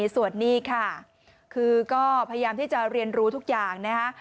ส่วนนี้ค่ะคือก็พยายามที่จะเรียนรู้ทุกอย่างนะคะ